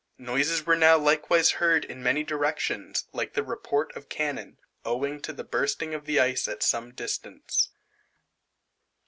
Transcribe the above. Noises were now likewise heard in many directions, like the report of cannon, owing to the bursting of the ice at some distance.